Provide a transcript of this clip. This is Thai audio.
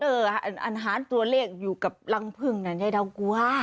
อาหารตัวเลขอยู่กับรังพึ่งนั้นยายดาวกลัว